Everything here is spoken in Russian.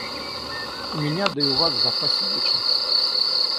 У меня, да и у вас, в запасе вечность.